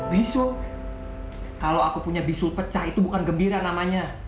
bisu kalau aku punya bisul pecah itu bukan gembira namanya